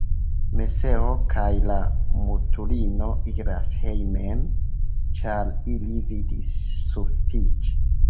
Moseo kaj la mutulino iras hejmen, ĉar ili vidis sufiĉe.